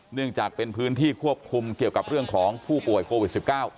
เนื่องจากเป็นพื้นที่ควบคุมเกี่ยวกับเรื่องของผู้ป่วยโควิด๑๙